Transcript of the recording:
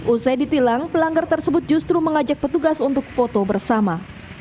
usai ditilang pelanggar tersebut justru mengajak petugas untuk foto bersama